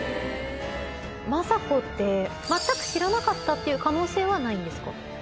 政子って全く知らなかったっていう可能性はないんですか？